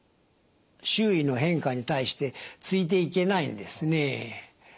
周囲の変化に対してついていけないんですね。